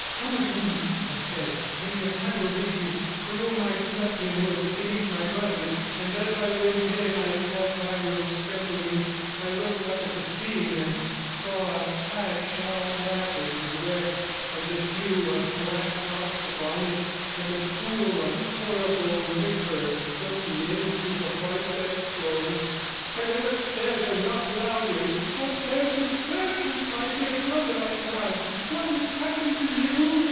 'Come with me,' I said. 'Bring your candle with you.' The room I slept in was beneath my brother's, and as I went in I felt I was trembling. I looked up at the ceiling, and saw a patch, all black and wet, and a dew of black drops upon it, and a pool of horrible liquor soaking into the white bed clothes. I ran upstairs and knocked loudly. 'Oh, Francis, Francis, my dear brother,' I cried, 'what has happened to you?'